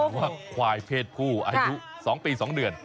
ว่าควายเพศผู้อายุ๒ปี๒เดือน